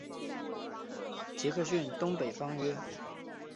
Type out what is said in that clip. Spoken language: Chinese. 杰克逊东北方约。